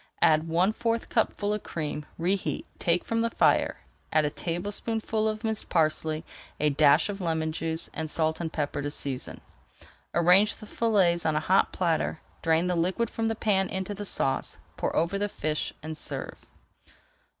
Add one fourth cupful of cream, reheat, take from the fire, add a tablespoonful of minced parsley, a dash of lemon juice, and salt and pepper to season. Arrange the fillets on a hot platter, drain the liquid from the pan into the sauce, pour over the fish, and serve.